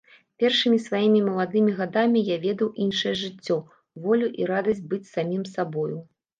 Першымі сваімі маладымі гадамі я ведаў іншае жыццё, волю і радасць быць самім сабою.